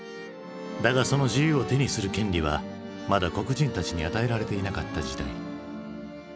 だがその自由を手にする権利はまだ黒人たちに与えられていなかった時代。